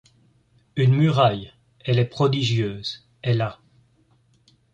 Une muraille ; elle est prodigieuse ; elle a